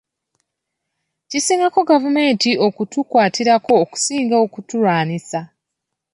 Kisingako gavumenti okutukwatirako okusinga okutulwanyisa.